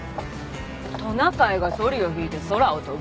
「トナカイがソリを引いて空を飛ぶ？